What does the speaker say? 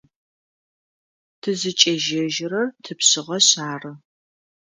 Тызыкӏежьэжьырэр тыпшъыгъэшъ ары.